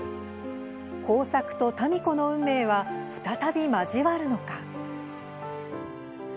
耕作と民子の運命は再び交わるのか？